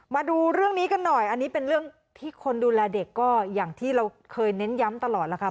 มาดูเรื่องนี้กันหน่อยอันนี้เป็นเรื่องที่คนดูแลเด็กก็อย่างที่เราเคยเน้นย้ำตลอดแล้วค่ะ